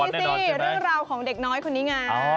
นี่สิเรื่องราวของเด็กน้อยคนนี้ไง